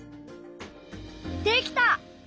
できた！